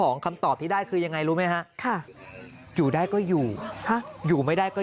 คำตอบที่ได้คือยังไงรู้ไหมฮะค่ะอยู่ได้ก็อยู่อยู่ไม่ได้ก็